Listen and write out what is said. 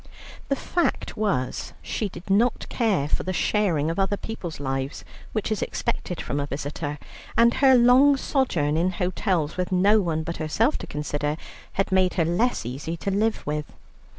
The fact was she did not care for the sharing of other people's lives which is expected from a visitor, and her long sojourn in hotels with no one but herself to consider, had made her less easy to live with.